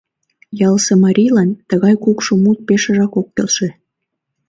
Ялысе марийлан тыгай кукшо мут пешыжак ок келше.